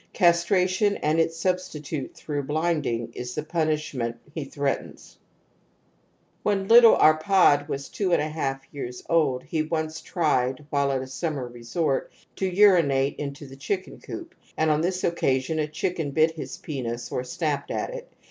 Cas tration and its substitute through blinding is the punishment he threatens *^. When little ArpAd was two and a half years old he once tried, while at a summer resort, to urinate into the chicken coop, and on this occa sion a chicken bit his penis or snapped at it.